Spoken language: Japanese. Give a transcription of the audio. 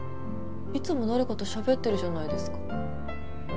いつも誰かとしゃべってるじゃないですか。